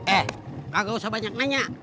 eh gak usah banyak nanya